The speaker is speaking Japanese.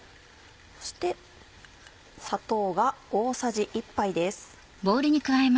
そして砂糖が大さじ１杯です。